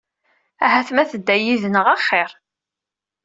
Ahat ma tedda yid-nneɣ axiṛ.